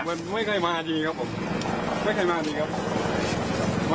มันไม่เคยมาดีครับผมไม่เคยมาดีครับ